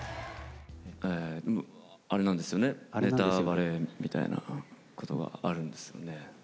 あれなんですよね、ネタバレみたいなことがあるんですよね。